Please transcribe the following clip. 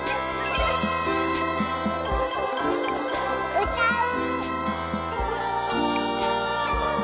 うたう！